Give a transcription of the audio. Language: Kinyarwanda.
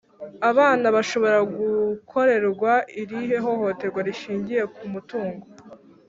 Abana bashobora gukorerwa irihe hohoterwa rishingiye ku mutungo?